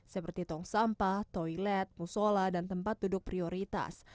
seperti tong sampah toilet musola dan tempat duduk prioritas